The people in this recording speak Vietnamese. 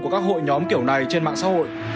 của các hội nhóm kiểu này trên mạng xã hội